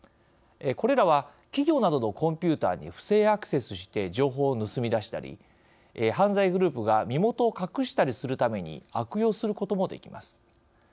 これらは、企業などのコンピューターに不正アクセスして情報を盗み出したり犯罪グループが身元を隠したりするために悪用することもできます。